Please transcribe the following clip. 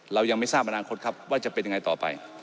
เรายังไม่ทราบอนาคตครับว่าจะเป็นยังไงต่อไป